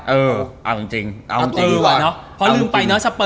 เอาจริงอ่ะ